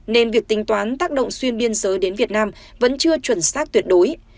nên việc tính toán tác động xuyên biên giới đến việt nam vẫn chưa chuẩn xác tuyệt đối